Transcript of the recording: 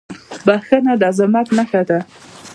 • بښنه د عظمت نښه ده.